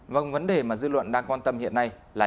vâng vấn đề mà dư luận đang quan tâm hiện nay là